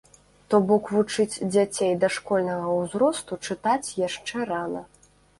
То бок вучыць дзяцей дашкольнага ўзросту чытаць яшчэ рана.